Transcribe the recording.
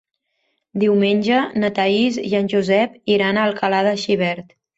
Diumenge na Thaís i en Josep iran a Alcalà de Xivert.